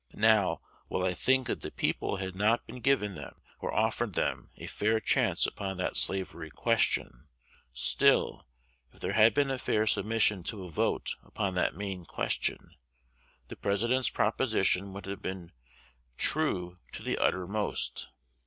Now, while I think that the people had not had given them, or offered them, a fair chance upon that slavery question, still, if there had been a fair submission to a vote upon that main question, the President's proposition would have been true to the uttermost.